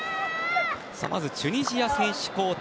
まずチュニジアが選手交代。